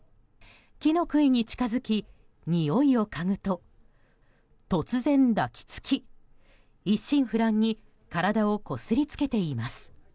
木の杭に近づき、においをかぐと突然、抱き着き一心不乱に体をこすりつけています。